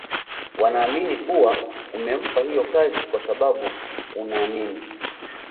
wanaamini kuwa umempa hiyo kazi kwa sababu unaamini